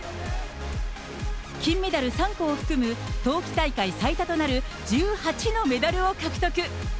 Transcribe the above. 金メダル３個を含む、冬季大会最多となる１８のメダルを獲得。